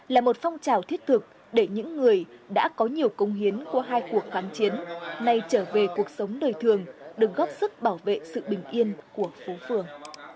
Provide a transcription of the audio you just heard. là một phong trào thiết thực để những người đã có nhiều công hiến của hai cuộc kháng chiến nay trở về cuộc sống đời thường được góp sức bảo vệ sự bình yên của phố phường